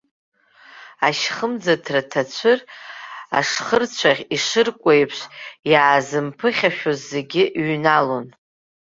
Ашьхымӡаҭра ҭацәыр, ашхырцәаӷь ишыркуеиԥш, иаазымԥыхьашәоз зегьы ҩналон.